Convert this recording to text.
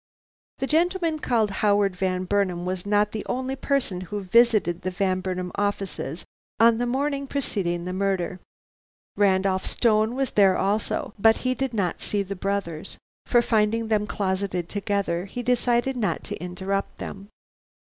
The gentleman called Howard Van Burnam was not the only person who visited the Van Burnam offices on the morning preceding the murder. Randolph Stone was there also, but he did not see the brothers, for finding them closeted together, he decided not to interrupt them.